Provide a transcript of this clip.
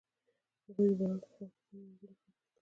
هغوی د باران په خوا کې تیرو یادونو خبرې کړې.